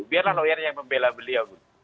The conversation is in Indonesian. biarlah lawyarnya membela beliau